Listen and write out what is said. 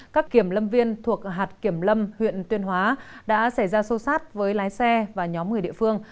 các kiểm lâm viên thuộc hạt kiểm lâm huyện tuyên hóa đã xảy ra sâu sát với lái xe và nhóm người địa phương